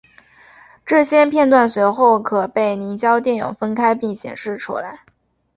这些片断随后可被凝胶电泳分开并显示出来。